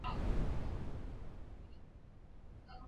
Herritar askok Gernikara eta Bilbora jo zuten.